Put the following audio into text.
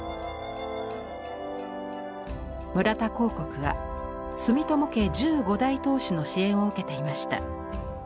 村田香谷は住友家１５代当主の支援を受けていました。